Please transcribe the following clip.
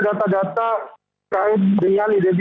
lapas kelas satu tangerang